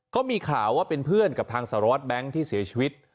ก็มีข่าวว่าเป็นเพื่อนกับทางสารวัตรแบงค์ที่เสียชีวิต